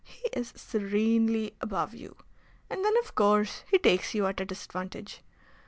He is serenely above you. And then, of course, he takes you at a disadvantage.